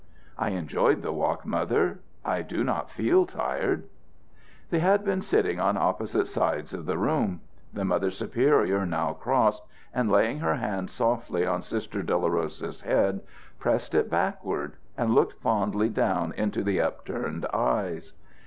"I enjoyed the walk, Mother. I do not feel tired." They had been sitting on opposite sides of the room. The Mother Superior now crossed, and, laying her hand softly on Sister Dolorosa's head, pressed it backward and looked fondly down into the upturned eyes.